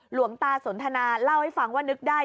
หลวงตาสนทนาเล่าให้ฟังว่านึกได้